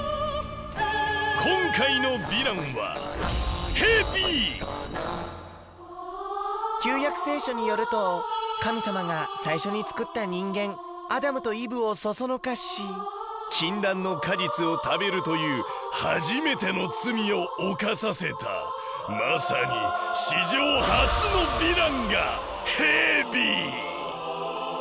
今回のヴィランは旧約聖書によると神様が最初につくった人間アダムとイブをそそのかし禁断の果実を食べるという初めての罪を犯させたまさに史上初のヴィランがヘビ！